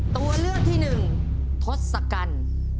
ตัวเลือกที่หนึ่งทศกัณฐ์